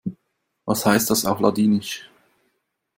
Was heißt das auf Ladinisch?